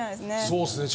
そうですね